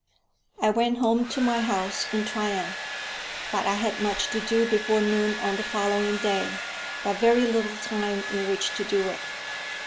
I went home to my house in triumph; but I had much to do before noon on the following day, but very little time in which to do it.